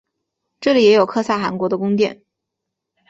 这里也有可萨汗国的宫殿。